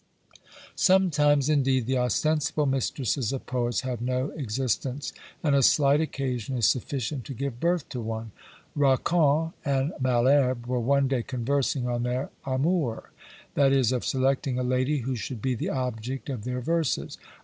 Sometimes, indeed, the ostensible mistresses of poets have no existence; and a slight occasion is sufficient to give birth to one. Racan and Malherbe were one day conversing on their amours; that is, of selecting a lady who should be the object of their verses.